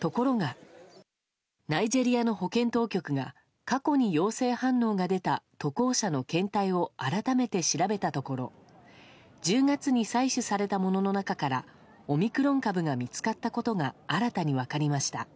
ところがナイジェリアの保健当局が過去に陽性反応が出た渡航者の検体を改めて調べたところ１０月に採取されたものの中からオミクロン株が見つかったことが新たに分かりました。